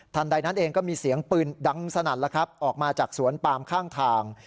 ใดนั้นเองก็มีเสียงปืนดังสนั่นแล้วครับออกมาจากสวนปามข้างทาง